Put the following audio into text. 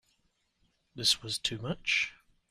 This was too much.